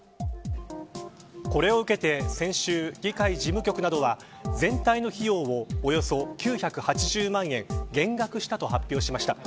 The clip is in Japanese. これを受けて、先週議会事務局などは全体の費用をおよそ９８０万円減額したと発表しました。